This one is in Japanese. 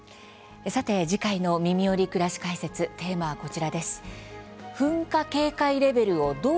さて、次回の「みみより！くらし解説」テーマはこちらです。